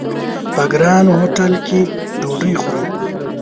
په ګران هوټل کې ډوډۍ خورم!